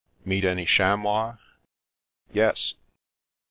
" Meet any chamois? "" Yes."